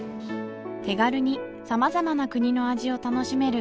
手軽に様々な国の味を楽しめる